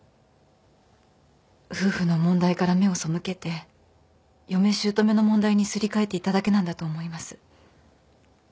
夫婦の問題から目を背けて嫁姑の問題にすり替えていただけなんだと思います。